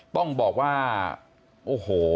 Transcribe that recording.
ต้องบอกว่าโอ้โห